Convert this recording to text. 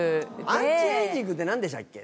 アンチエイジングって何でした？